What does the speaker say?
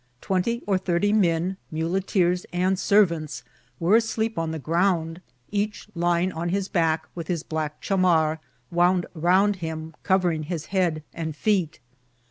Twenty or thirty men, muleteers and servants, were asleep on the ground, each lying on his back, with his black chamar wound round him, covering his head and feet.